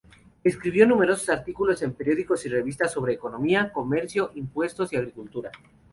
Escribió numerosos artículos en periódicos y revistas sobre economía, comercio, impuestos y agricultura.